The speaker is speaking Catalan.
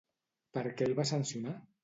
Per què el va sancionar?